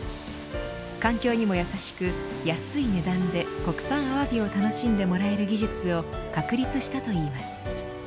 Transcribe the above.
環境にも優しく安い値段で国産アワビを楽しんでもらえる技術を確立したといいます。